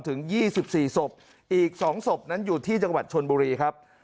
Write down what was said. ถึง๒๔ศพอีก๒ศพนั้นอยู่ที่จังหวัดชนบุรีครับ